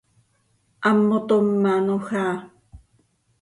Hammotómanoj áa.